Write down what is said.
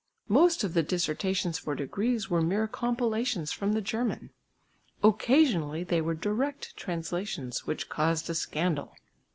Most of the dissertations for degrees were mere compilations from the German; occasionally they were direct translations which caused a scandal.